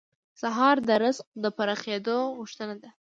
سهار د رزق د پراخېدو غوښتنه ده.